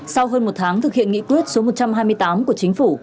sau hơn một tháng thực hiện nghị quyết số một trăm hai mươi tám của chính phủ